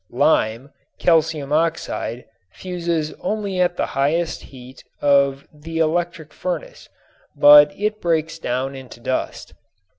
Lime (calcium oxide) fuses only at the highest heat of the electric furnace, but it breaks down into dust.